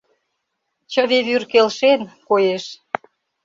Чыве вӱр келшен, коеш.